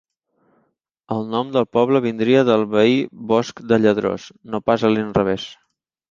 El nom del poble vindria del veí Bosc de Lladrós, no pas a l'inrevés.